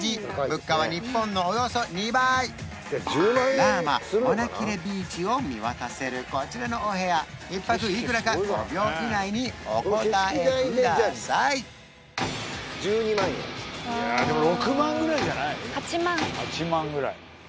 物価は日本のおよそ２倍ラーマ・モナキレビーチを見渡せるこちらのお部屋１泊いくらか５秒以内にお答えください